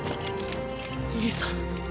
兄さん。